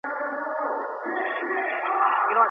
ايا دا کار د شريعت له احکامو سره مخالفت دی؟